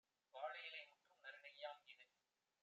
வாழை யிலைமுற்றும் நறுநெய்யாம் - இது